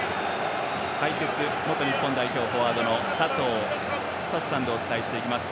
解説、元日本代表フォワードの佐藤寿人さんでお伝えしていきます。